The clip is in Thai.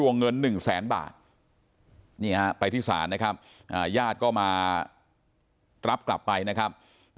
เงิน๑แสนบาทนี่ฮะไปที่ศาลนะครับญาติก็มารับกลับไปนะครับ